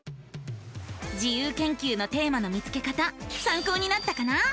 自由研究のテーマの見つけ方さんこうになったかな？